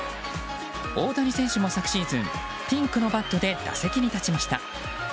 大谷選手も昨シーズンピンクのバットで打席に立ちました。